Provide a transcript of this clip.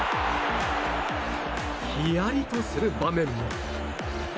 ヒヤリとする場面も。